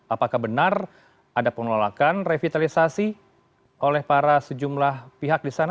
apakah benar ada penolakan revitalisasi oleh para sejumlah pihak di sana